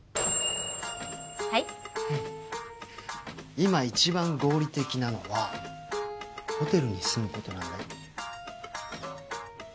今いちばん合理的なのはホテルに住むことなんだよ。